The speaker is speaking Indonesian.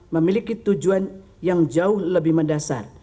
memiliki tujuan yang jauh lebih mendasar